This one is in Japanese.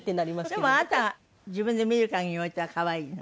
でもあなた自分で見るかぎりにおいては可愛いの？